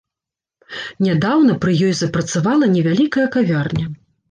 Нядаўна пры ёй запрацавала невялікая кавярня.